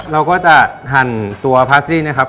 เราก็จะหั่นตัวพาซี่นะครับ